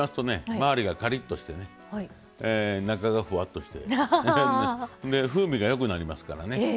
周りがカリッとしてね中がふわっとしてで風味がよくなりますからね。